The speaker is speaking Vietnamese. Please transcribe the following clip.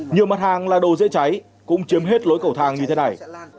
nhiều mặt hàng là đồ dễ cháy cũng chiếm hết lối cầu thang như thế này